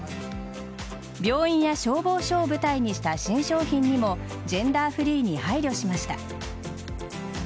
病院や消防署を舞台にした新商品にもジェンダーフリーに配慮しました。